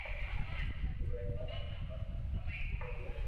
آوي ھي ھين پڙوا جائين ھين پڙئي